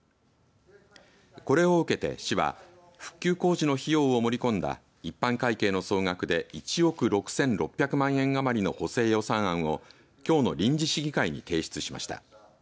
これを受けて市は復旧工事の費用を盛り込んだ一般会計の総額で１億６６００万円余りの補正予算案を、きょうの臨時市議会に提出しました。